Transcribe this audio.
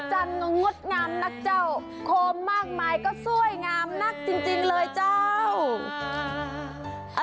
จันทร์ก็งดงามนักเจ้าโคมมากมายก็สวยงามนักจริงเลยเจ้า